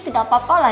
tidak apa apa lah